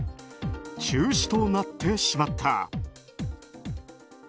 中止となってしまった。